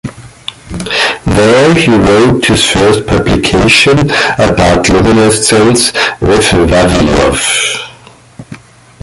There he wrote his first publication-about luminescence- with Vavilov.